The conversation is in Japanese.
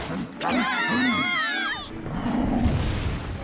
ああ！